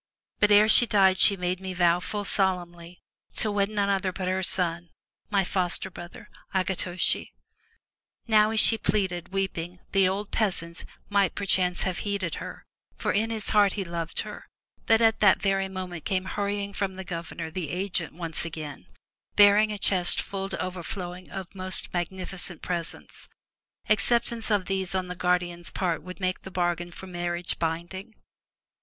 But ere she died she made me vow full solemnly to wed none other but her son, my foster brother, Akitoshi/* Now as she pleaded, weeping, the old peasant, might, per chance, have heeded her, for in his heart he loved her, but at that very moment came hurrying from the governor the agent once again, bearing a chest full to overflowing of most magnifi cent presents. Acceptance of these on the guardian's part would make the bargain for marriage binding.